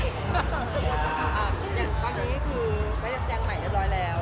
อ๋อตอนนี้คือไปดั่งแปลงใหม่เรียนร้อยแล้ว